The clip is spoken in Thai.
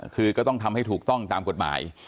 คือก็ต้องทำให้ถูกต้องตามกฎหมาย